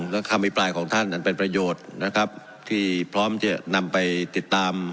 และคำอภิปรายของท่านอันเป็นประโยชน์นะครับที่พร้อมจะนำไปติดตาม